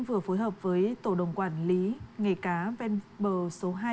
vừa phối hợp với tổ đồng quản lý nghề cá ven bờ số hai